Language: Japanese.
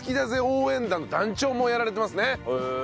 応援團の團長もやられていますね。